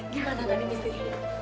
gimana kan ini sih